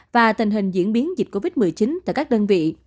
và tình hình diễn biến dịch covid một mươi chín tại các đơn vị